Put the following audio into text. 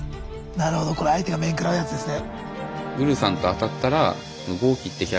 なるほどこれ相手が面食らうやつですね。